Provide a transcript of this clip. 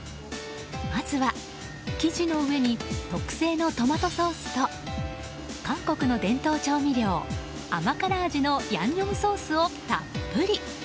まずは生地の上に特製のトマトソースと韓国の伝統調味料、甘辛味のヤンニョムソースをたっぷり。